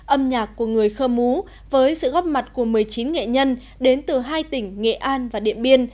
âm nhạc của người khơ mú với sự góp mặt của một mươi chín nghệ nhân đến từ hai tỉnh nghệ an và điện biên